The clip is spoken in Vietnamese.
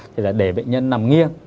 thì là để bệnh nhân nằm nghiêng